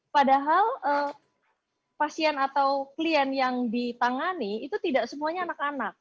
padahal pasien atau klien yang ditangani itu tidak semuanya anak anak